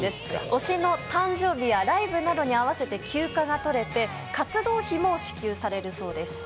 推しの誕生日やライブなどに合わせて休暇が取れて活動費も支給されるそうです。